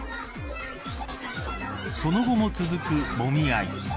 その後も続くもみ合い。